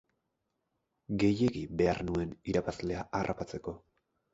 Gehiegi behar nuen irabazlea harrapatzeko.